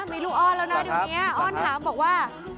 มีลูกอ้อนแล้วนะเดี๋ยวนี้อ้อนถามบอกว่า